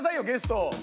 ゲストを。